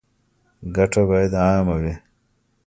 ګټه باید عامه وي